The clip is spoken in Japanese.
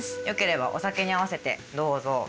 よければお酒に合わせてどうぞ。